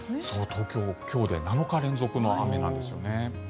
東京、今日で７日連続の雨なんですよね。